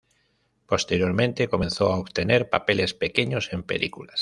Posteriormente, comenzó a obtener papeles pequeños en películas.